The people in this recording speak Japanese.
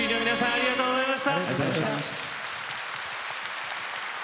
ありがとうございます。